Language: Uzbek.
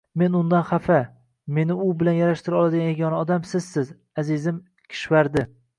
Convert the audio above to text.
U mendan xafa… Meni u bilan yarashtira oladigan yagona odam sizsiz, azizim Kishvardi…